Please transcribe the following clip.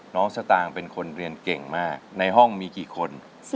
สตางค์เป็นคนเรียนเก่งมากในห้องมีกี่คน